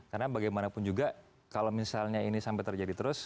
karena bagaimanapun juga kalau misalnya ini sampai terjadi terus